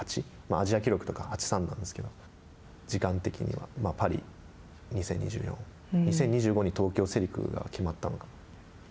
アジア記録とかは時間的にはパリ２０２４２０２５年に東京世陸が決まったのかな。